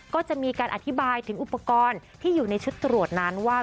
ก็จะมีการอธิบายถึงอุปกรณ์ที่อยู่ในชุดตรวจนั้นว่า